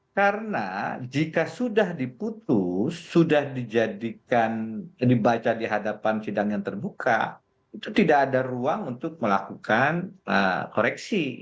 karena jika sudah diputus sudah dibaca di hadapan sidang yang terbuka itu tidak ada ruang untuk melakukan koreksi